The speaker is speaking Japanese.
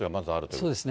そうですね。